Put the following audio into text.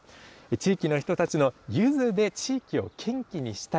地域の人たちのゆずで地域を元気にしたい。